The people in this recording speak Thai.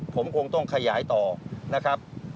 ผมคงต้องขยายต่อนะครับ